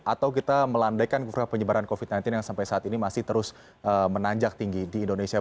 atau kita melandaikan penyebaran covid sembilan belas yang sampai saat ini masih terus menanjak tinggi di indonesia